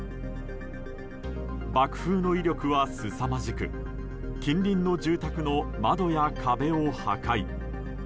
爆風の威力は、すさまじく近隣の住宅の窓や壁を破壊。